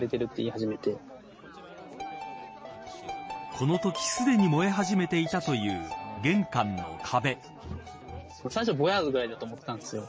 このときすでに燃え始めていたという玄関の壁。